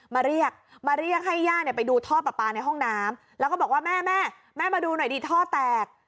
มาเรียกมาเรียกให้ย่าเนี่ยไปดูท่อปลาปลาในห้องน้ำแล้วก็บอกว่าแม่แม่มาดูหน่อยดีท่อแตก